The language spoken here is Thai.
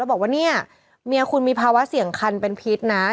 บอกว่าเนี่ยเมียคุณมีภาวะเสี่ยงคันเป็นพิษนะ